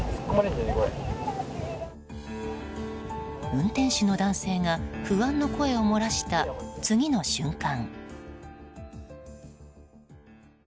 運転手の男性が不安の声を漏らした次の瞬間。